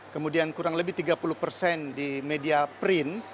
kemudian kurang lebih tiga puluh persen di media print